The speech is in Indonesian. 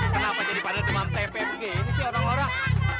kenapa jadi pada demam tempe begini sih orang orang